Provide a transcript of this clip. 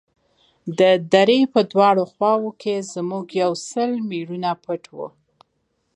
د درې په دواړو خواوو کښې زموږ يو سل مېړونه پټ وو.